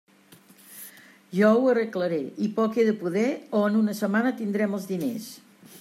Jo ho arreglaré, i poc he de poder o en una setmana tindrem els diners.